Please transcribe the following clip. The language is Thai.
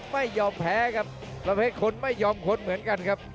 ไม่ยอมแพ้ครับประเภทคนไม่ยอมคนเหมือนกันครับ